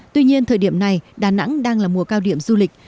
tuy nhiên thời điểm này đà nẵng đang là mùa cao điểm du lịch